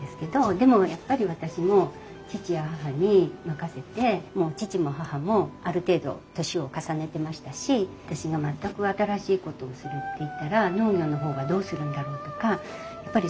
でもやっぱり私も義父や義母に任せて義父も義母もある程度歳を重ねてましたし私が全く新しいことをするって言ったら農業の方はどうするんだろうとかやっぱりすごく迷ったんですね。